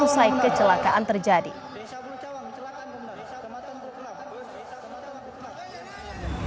bus yang mengangkut rombongan sd negeri satu haryasan terbalik di jalan lintas timur desa bulucawang